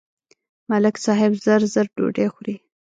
ملک صاحب زر زر ډوډۍ خوري.